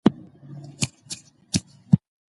د کليسا په چوکاټ کي زده کړې يوازې د مذهب لپاره وې.